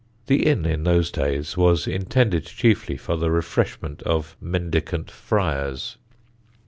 The inn in those days was intended chiefly for the refreshment of mendicant friars.